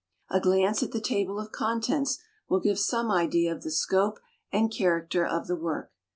A glance at the table of contents will give some idea of the scope and character of the work.